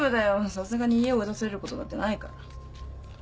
さすがに家追い出されることなんてないから。